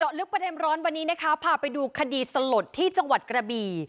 ลึกประเด็นร้อนวันนี้นะคะพาไปดูคดีสลดที่จังหวัดกระบี่